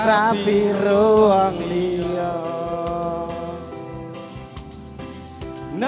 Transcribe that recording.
rapi ruang dia